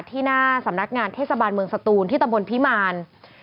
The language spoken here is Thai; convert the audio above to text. ที่หน้าสำนักงานเทศบาลเมืองสตูนที่ตำบลพิมาร